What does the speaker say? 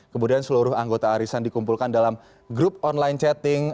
kemudian seluruh anggota arisan dikumpulkan dalam grup online chatting